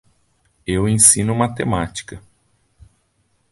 Eu ensino matemática.